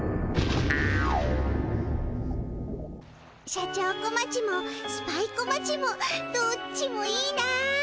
社長小町もスパイ小町もどっちもいいな！